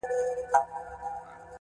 اغزي مي له تڼاکو رباتونه تښتوي!!